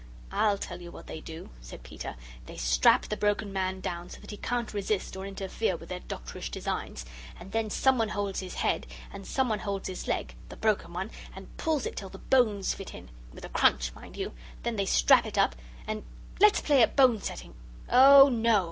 "I'll tell you what they do," said Peter; "they strap the broken man down so that he can't resist or interfere with their doctorish designs, and then someone holds his head, and someone holds his leg the broken one, and pulls it till the bones fit in with a crunch, mind you! Then they strap it up and let's play at bone setting!" "Oh, no!"